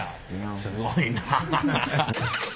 すごいなあ。